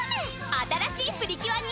新しいプリキュアに